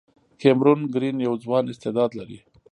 کیمرون ګرین یو ځوان استعداد لري.